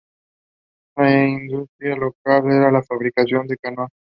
La industria local era la fabricación de canoas.